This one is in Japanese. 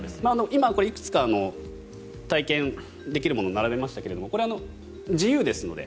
今、いくつか体験できるものを並べましたがこれは自由ですので。